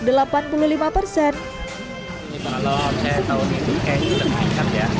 ini kalau saya tahu ini kayaknya sudah meningkat ya